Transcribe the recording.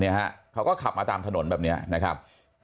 เนี่ยฮะเขาก็ขับมาตามถนนแบบเนี่ยแนะครับ